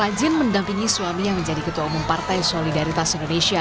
rajin mendampingi suami yang menjadi ketua umum partai solidaritas indonesia